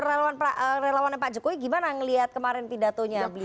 enggak ya menurut relawan pak jokowi gimana ngelihat kemarin pidatonya beliau